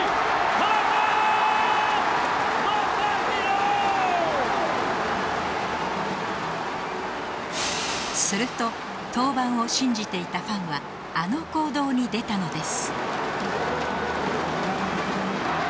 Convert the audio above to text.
宮城すると登板を信じていたファンはあの行動に出たのです